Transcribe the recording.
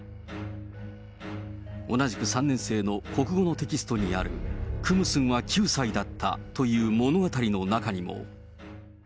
同じく３年生の国語のテキストにある、クムスンは９歳だったという物語の中にも。